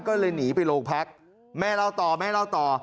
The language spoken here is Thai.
ก็เลยหนีไปโรงพักแม่เล่าต่อแม่เล่าต่อ